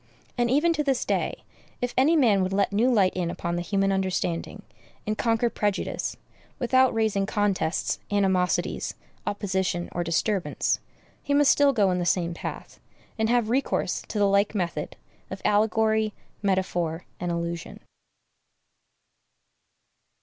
And even to this day, if any man would let new light in upon the human understanding, and conquer prejudice, without raising contests, animosities, opposition, or disturbance, he must still go in the same path, and have recourse to the like method of allegory, metaphor, and allusion.